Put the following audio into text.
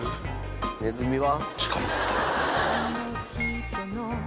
「ネズミは？」。